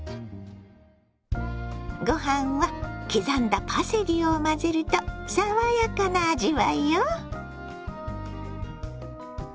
ご飯は刻んだパセリを混ぜると爽やかな味わいよ。